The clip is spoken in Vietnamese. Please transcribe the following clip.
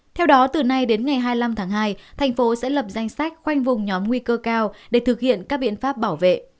theo đó từ nay đến ngày hai mươi năm tháng hai thành phố sẽ lập danh sách khoanh vùng nhóm nguy cơ cao để thực hiện các biện pháp bảo vệ